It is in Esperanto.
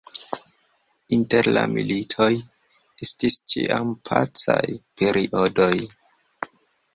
Inter la militoj estis ĉiam pacaj periodoj.